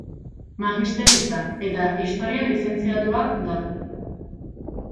Magisteritza eta Historian lizentziatua da.